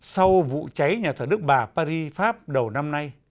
sau vụ cháy nhà thờ đức bà paris pháp đầu năm nay